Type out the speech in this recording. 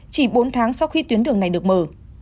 chỉ bốn tháng sau khi tuyến đường này được mở